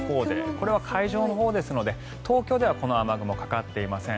これは海上のほうですので東京ではこの雨雲はかかっていません。